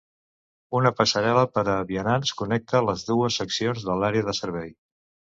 Una passarel·la per a vianants connecta les dues seccions de l'àrea de servei.